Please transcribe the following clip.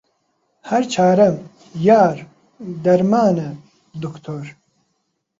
هەر چارەم، یار، دەرمانە، دوکتۆر